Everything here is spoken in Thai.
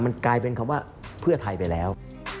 มันกลายเป็นคำว่าเพื่อไทยไปแล้ว